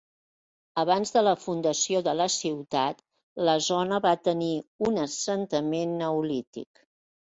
Abans de la fundació de la ciutat, la zona va tenir un assentament neolític.